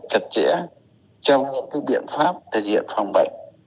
chặt chẽ trong những biện pháp thực hiện phòng bệnh